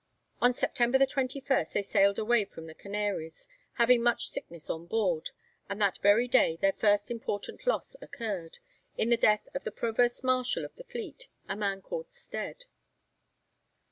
On September 21 they sailed away from the Canaries, having much sickness on board; and that very day their first important loss occurred, in the death of the Provost Marshal of the fleet, a man called Stead.